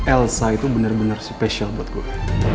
elsa itu bener bener spesial buat gue